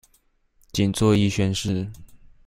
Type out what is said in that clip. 僅做一宣示